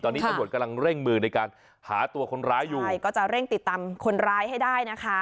ตอนนี้ตำรวจกำลังเร่งมือในการหาตัวคนร้ายอยู่ใช่ก็จะเร่งติดตามคนร้ายให้ได้นะคะ